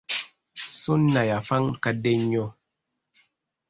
Ssuuna yafa mukadde nnyo.